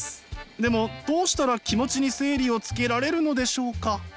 でもどうしたら気持ちに整理をつけられるのでしょうか？